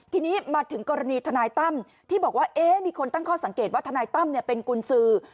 ทีนี้มาถึงกรณีทนายตั้มที่บอกว่ามีคนตั้งข้อสังเกตว่าทนายตั้มเป็นกุญสือ